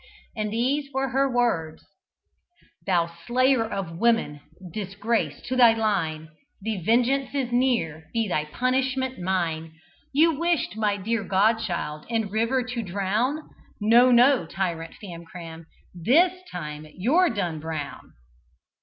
And these were her words: "Thou slayer of women, disgrace to thy line, The vengeance is near be thy punishment mine You wished my dear god child in river to drown. No, no, tyrant Famcram, this time you're 'done brown!'"